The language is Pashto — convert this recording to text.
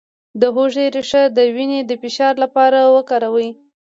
د هوږې ریښه د وینې د فشار لپاره وکاروئ